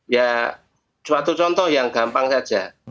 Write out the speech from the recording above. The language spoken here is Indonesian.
ya suatu contoh yang gampang saja